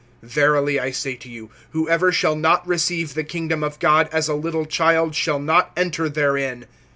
(15)Verily I say to you, whoever shall not receive the kingdom of God as a little child, shall not enter therein.